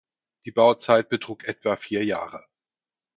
Die Bauzeit betrug etwa vier Jahre.